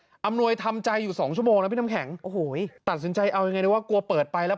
อำนวยทำใจอยู่สองชั่วโมงนะพี่น้ำแข็งโอ้โหตัดสินใจเอายังไงเลยว่ากลัวเปิดไปแล้ว